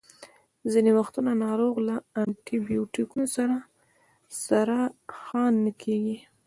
ځینې وختونه ناروغ له انټي بیوټیکو سره سره ښه نه کیږي.